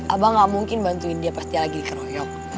abah gak mungkin bantuin dia pas dia lagi dikeroyok